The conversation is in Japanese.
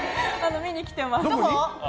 見に来てます。